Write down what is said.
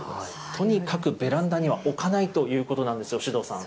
とにかくベランダには置かないということなんですよ、首藤さん。